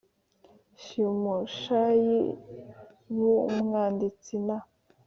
Shimushayi b umwanditsi na